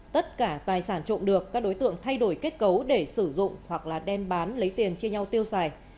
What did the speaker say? tất cả tài sản trộm được các đối tượng thay đổi kết cấu để sử dụng hoặc là đem bán lấy tiền chia nhau tiêu xài